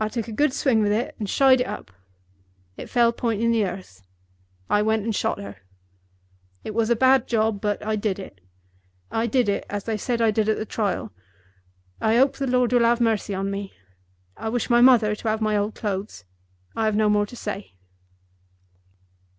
I took a good swing with it, and shied it up. It fell point in the earth. I went and shot her. It was a bad job, but I did it. I did it, as they said I did it at the trial. I hope the Lord will have mercy on me. I wish my mother to have my old clothes. I have no more to say."